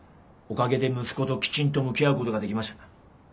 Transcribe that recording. おかげで息子ときちんと向き合うことができました。